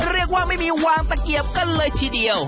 เรียกว่าไม่มีวางตะเกียบกันเลยทีเดียว